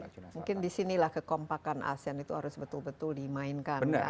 mungkin di sinilah kekompakan asean itu harus betul betul dimainkan